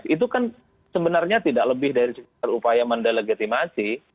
itu kan sebenarnya tidak lebih dari upaya mendelegitimasi